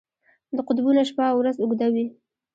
د قطبونو شپه او ورځ اوږده وي.